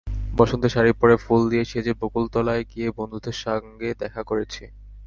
বসন্তের শাড়ি পরে ফুল দিয়ে সেজে বকুলতলায় গিয়ে বন্ধুদের সঙ্গে দেখা করেছি।